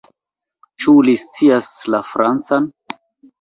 Ĉu li scias la Francan?